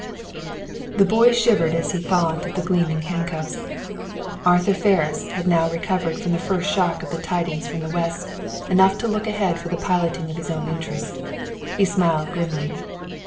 The boy shivered as he thought of the gleaming handcuffs. Arthur Ferris had now recovered from the first shock of the tidings from the West enough to look ahead for the piloting of his own interests. He smiled grimly.